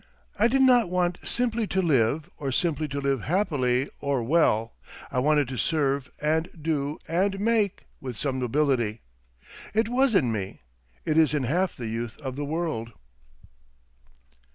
I did not want simply to live or simply to live happily or well; I wanted to serve and do and make—with some nobility. It was in me. It is in half the youth of the world.